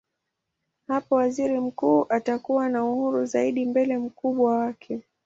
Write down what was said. Hapo waziri mkuu atakuwa na uhuru zaidi mbele mkubwa wake.